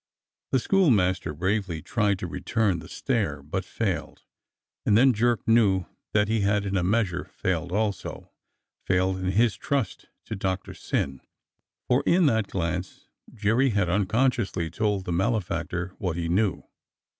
The schoolmaster bravely tried to return the stare, but failed, and then Jerk knew that he had in a measure failed also, failed in his trust to Doctor Syn, for in that glance Jerry had unconsciously told the malefactor what he knew.